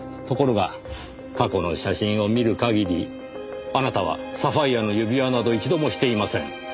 ところが過去の写真を見る限りあなたはサファイアの指輪など一度もしていません。